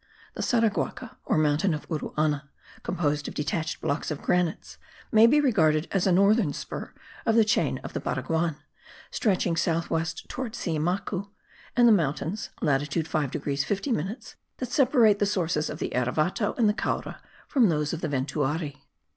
The Saraguaca, or mountain of Uruana, composed of detached blocks of granite, may be regarded as a northern spur of the chain of the Baraguan, stretching south west towards Siamacu and the mountains (latitude 5 degrees 50 minutes) that separate the sources of the Erevato and the Caura from those of the Ventuari.